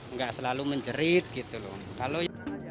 nggak selalu menjerit gitu loh